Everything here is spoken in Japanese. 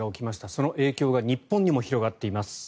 その影響が日本にも広がっています。